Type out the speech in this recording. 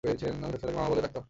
আমি সবসময় তাকে মা মা বলে ডাকতাম।